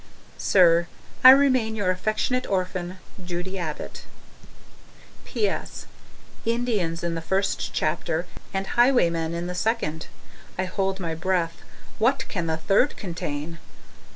Sir, I remain, Your affectionate orphan, Judy Abbott PS. Indians in the first chapter and highwaymen in the second. I hold my breath. What can the third contain?